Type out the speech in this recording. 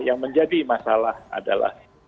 yang menjadi masalah adalah